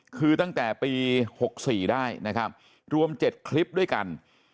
คือตั้งแต่ปี๖๔ได้นะครับรวม๗คลิปด้วยกัน